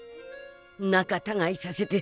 仲たがいさせて銭